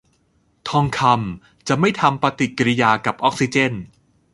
ทองคำจะไม่ทำปฏิกิริยากับออกซิเจน